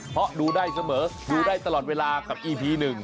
เพราะดูได้เสมอดูได้ตลอดเวลากับอีพีหนึ่ง